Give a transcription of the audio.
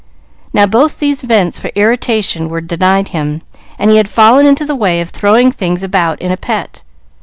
Now both these vents for irritation were denied him, and he had fallen into the way of throwing things about in a pet.